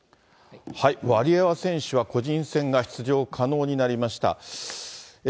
ワリエワ選手は、個人戦が出場可能になりました。